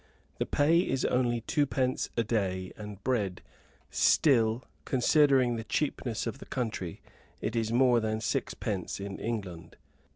The pay is only twopence a day and bread; still, considering the cheapness of the country, it is more than sixpence in England.